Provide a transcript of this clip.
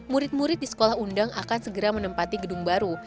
murid murid di sekolah undang akan segera menempati gedung baru